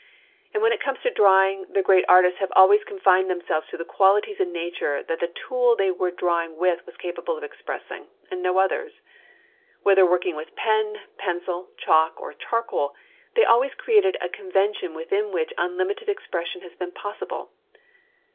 And when it comes to drawing, the great artists have always confined themselves to the qualities in nature that the tool they were drawing with was capable of expressing, and no others. Whether working with pen, pencil, chalk, or charcoal, they always created a convention within which unlimited expression has been possible.